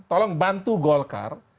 tolong bantu golkar